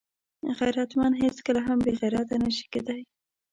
غیرتمند هیڅکله هم بېغیرته نه شي کېدای